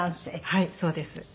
はいそうです。